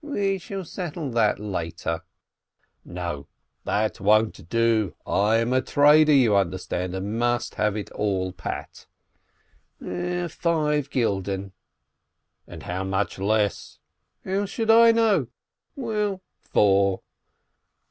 "We shall settle that later." "No, that won't do with me; I am a trader, you understand, and must have it all pat." "Five gulden." "And how much less?" "How should I know? Well, four."